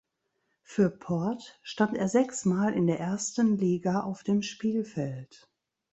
Für Port stand er sechsmal in der ersten Liga auf dem Spielfeld.